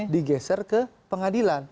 digeser ke pengadilan